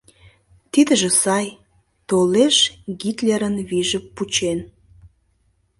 Тидыже сай: толеш Гитлерын вийже пучен.